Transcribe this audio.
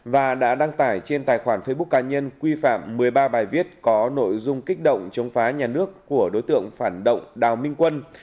và đã đăng tải trên tài khoản facebook cá nhân quy phạm một mươi ba bài viết có nội dung kích động chống phá nhà nước của đối tượng phản động đào minh quân